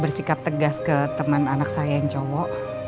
bersikap tegas ke teman anak saya yang cowok